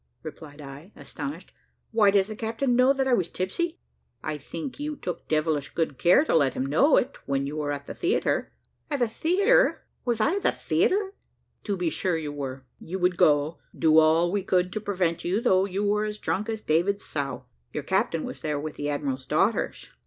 replied I, astonished. "Why, does the captain know that I was tipsy?" "I think you took devilish good care to let him know it when you were at the theatre." "At the theatre! was I at the theatre?" "To be sure you were. You would go, do all we could to prevent you, though you were as drunk as David's sow. Your captain was there with the admiral's daughters.